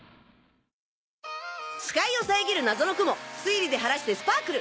視界を遮る謎の雲推理で晴らしてスパークル！